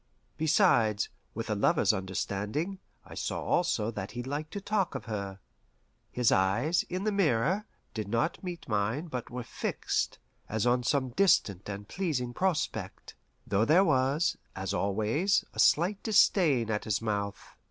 Besides, with a lover's understanding, I saw also that he liked to talk of her. His eyes, in the mirror, did not meet mine, but were fixed, as on some distant and pleasing prospect, though there was, as always, a slight disdain at his mouth.